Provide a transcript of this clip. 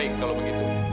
baik kalau begitu